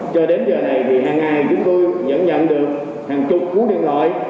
cho đến giờ này thì hàng ngày chúng tôi nhận nhận được hàng chục cuốn điện thoại